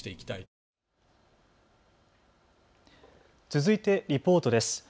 続いてリポートです。